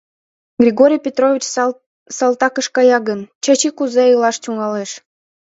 Григорий Петрович салтакыш кая гын, Чачи кузе илаш тӱҥалеш?